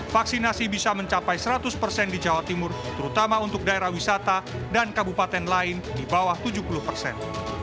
vaksinasi bisa mencapai seratus persen di jawa timur terutama untuk daerah wisata dan kabupaten lain di bawah tujuh puluh persen